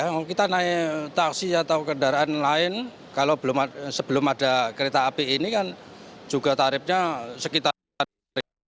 kalau kita naik taksi atau kendaraan lain sebelum ada kereta api ini kan juga tarifnya sekitar